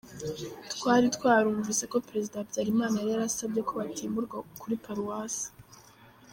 Twari twarumvise ko Perezida Habyarimana yari yarasabye ko batimurwa kuri Paruwasi.